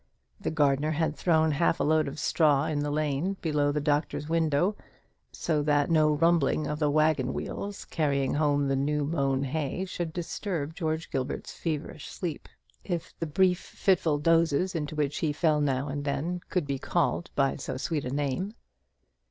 The gardener had thrown half a load of straw in the lane, below the doctor's window, so that no rumbling of the waggon wheels carrying home the new mown hay should disturb George Gilbert's feverish sleep, if the brief fitful dozes into which he fell now and then could be called by so sweet a name.